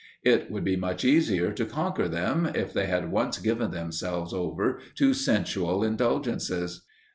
It would be much easier to conquer them, if they had once given themselves over to sensual indulgences.